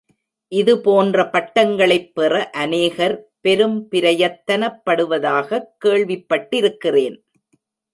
இது போன்ற பட்டங்களைப் பெற அநேகர் பெரும் பிரயத்தனப்படுவதாகக் கேள்விப்பட்டிருக்கிறேன்.